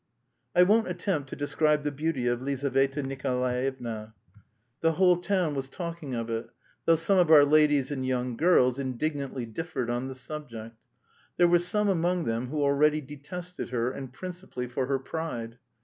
I won't attempt to describe the beauty of Lizaveta Nikolaevna. The whole town was talking of it, though some of our ladies and young girls indignantly differed on the subject. There were some among them who already detested her, and principally for her pride.